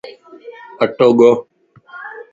اٽو ڳو